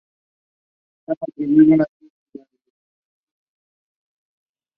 Está construido en piedra de la región y ladrillo macizo su planta es cuadrada.